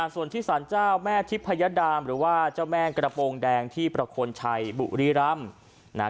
ส่วนที่สารเจ้าแม่ทิพยดามหรือว่าเจ้าแม่กระโปรงแดงที่ประคลชัยบุรีรำ